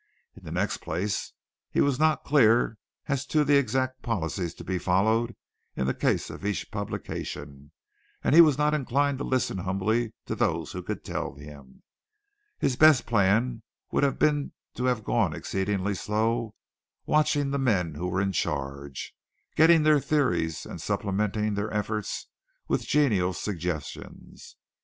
In the next place, he was not clear as to the exact policies to be followed in the case of each publication, and he was not inclined to listen humbly to those who could tell him. His best plan would have been to have gone exceedingly slow, watching the men who were in charge, getting their theories and supplementing their efforts with genial suggestions.